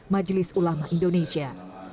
majelis ulama indonesia